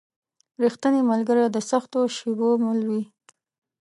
رښتینی ملګری د سختو شېبو مل وي.